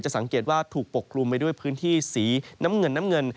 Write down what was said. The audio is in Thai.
สังเกตว่าถูกปกกลุ่มไปด้วยพื้นที่สีน้ำเงินน้ำเงิน